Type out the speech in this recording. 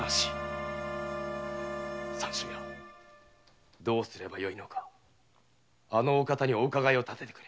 三州屋どうすればよいのかあの方にお伺いを立ててくれ。